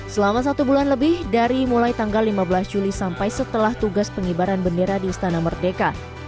selama satu bulan lebih dari mulai tanggal lima belas juli sampai setelah tugas pengibaran bendera di istana merdeka